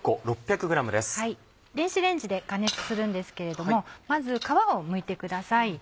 電子レンジで加熱するんですけれどもまず皮をむいてください。